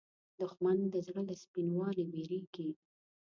دښمن د زړه له سپینوالي وېرېږي